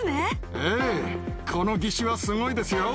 ええ、この義手はすごいですよ。